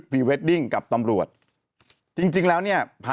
ปรากฏว่าน้องการ์ตูนก็คือนี่แหละฮะ